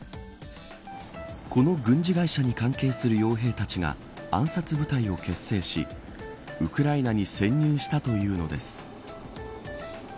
この軍事会社に関係する傭兵たちが暗殺部隊を結成しウクライナに潜入したというのです。